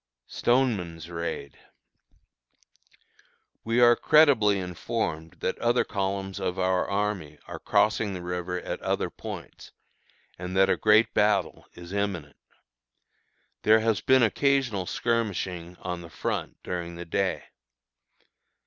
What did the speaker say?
STONEMAN'S RAID. We are credibly informed that other columns of our army are crossing the river at other points, and that a great battle is imminent. There has been occasional skirmishing, on the front, during the day.